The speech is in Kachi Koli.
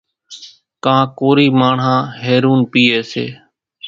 ڪان ڪورِي ماڻۿان هيرونَ پيئيَ سي۔